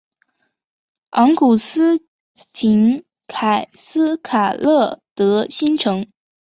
昂古斯廷埃斯卡勒德新城。